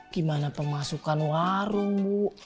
gimana pemasukan warung bu